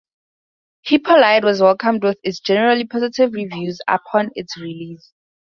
Hippo Lite was welcomed with generally positive reviews upon its release.